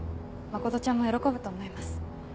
真ちゃんも喜ぶと思います。